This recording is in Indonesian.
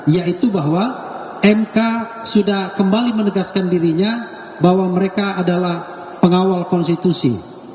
yaitu bahwa mk sudah kembali menegaskan dirinya bahwa mereka adalah pengawal konstitusi